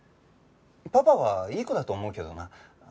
パパはいい子だと思うけどな。